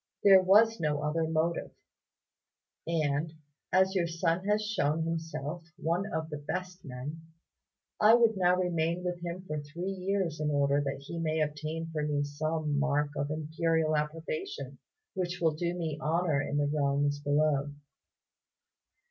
There was no other motive; and, as your son has shewn himself one of the best of men, I would now remain with him for three years in order that he may obtain for me some mark of Imperial approbation which will do me honour in the realms below."